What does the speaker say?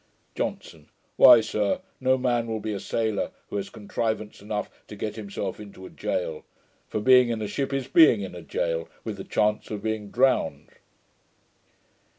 JOHNSON. 'Why, sir, no man will be a sailor, who has contrivance enough to get himself into a jail; for, being in a ship is being in a jail, with the chance of being drowned.'